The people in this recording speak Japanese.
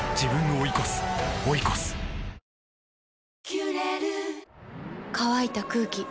「キュレル」乾いた空気。